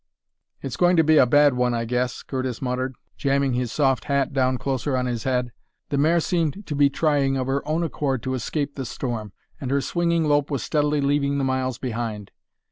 "It's going to be a bad one, I guess," Curtis muttered, jamming his soft hat down closer on his head. The mare seemed to be trying of her own accord to escape the storm, and her swinging lope was steadily leaving the miles behind.